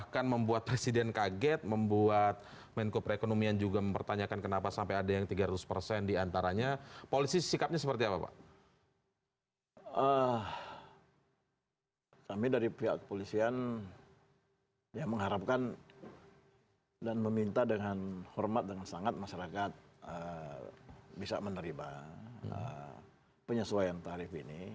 dan meminta dengan hormat dengan sangat masyarakat bisa menerima penyesuaian tarif ini